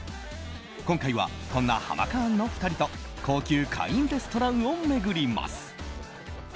今回はこんなハマカーンの２人と高級会員レストランを巡ります。